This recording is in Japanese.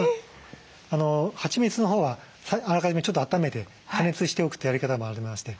はちみつのほうはあらかじめちょっとあっためて加熱しておくってやり方もありまして。